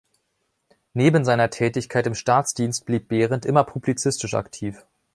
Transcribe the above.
Neben seiner Tätigkeit im Staatsdienst blieb Behrendt immer publizistisch aktiv.